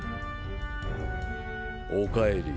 おかえり。